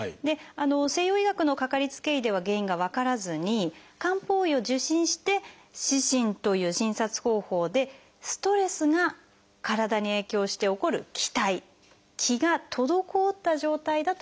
西洋医学のかかりつけ医では原因が分からずに漢方医を受診して四診という診察方法でストレスが体に影響して起こる「気滞」気が滞った状態だということが分かりました。